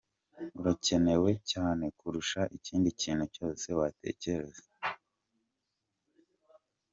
Urakenewe cyane kurusha ikindi kintu cyose watekereza.